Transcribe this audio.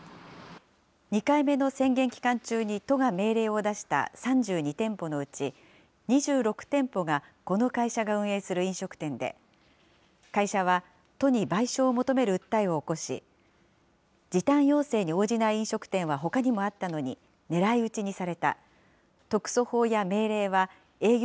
２回目の宣言期間中に都が命令を出した３２店舗のうち２６店舗がこの会社が運営する飲食店で、会社は、都に賠償を求める訴えを起こし、時短要請に応じない飲食店はほかにもあったのに、狙い撃ちにされた。